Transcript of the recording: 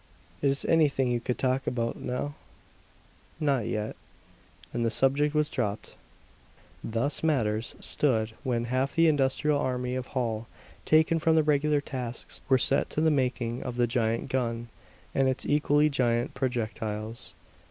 "Is it anything you can talk about now?" "Not yet." And the subject was dropped. Thus matters stood when half the industrial army of Holl, taken from their regular tasks, were set to the making of the giant gun and its equally giant projectiles.